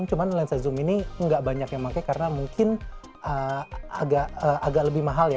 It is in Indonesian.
cuma lensa zoom ini nggak banyak yang pakai karena mungkin agak lebih mahal ya